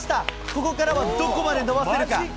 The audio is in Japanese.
ここからはどこまで伸ばせるか。